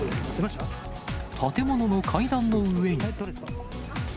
建物の階段の上に。